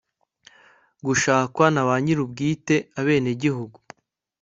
gushakwa na banyir'ubwite (abenegihugu